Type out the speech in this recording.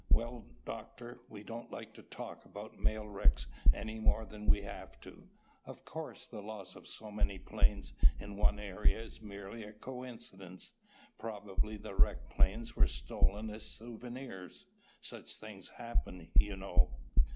"Well, Doctor, we don't like to talk about mail wrecks any more than we have to. Of course, the loss of so many planes in one area is merely a coincidence. Probably the wrecked planes were stolen as souvenirs. Such things happen, you know."